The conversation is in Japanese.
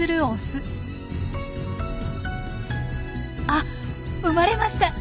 あ生まれました。